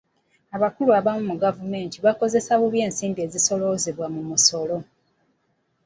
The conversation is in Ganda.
Abakulu abamu mu gavumenti bakozesa bubi ensimbi ezisooloozebwa mu misolo.